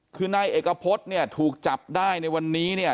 คือนายเอกพฤษเนี่ยถูกจับได้ในวันนี้เนี่ย